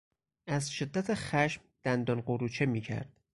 از شدت خشم دندان قروچه میکرد.